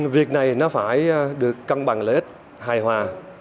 việc này nó phải được cân bằng lợi ích hài hòa